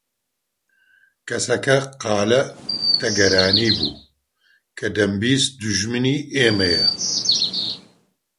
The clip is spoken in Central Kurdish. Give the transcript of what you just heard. کەسەکە قالە تەگەرانی بوو کە دەمبیست دوژمنی ئێمەیە